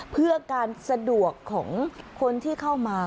เพื่อการสะดวกของคนที่เข้ามา